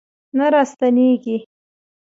نه راستنیږي